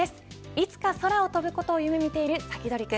いつか空を飛ぶことを夢見ているサキドリ君。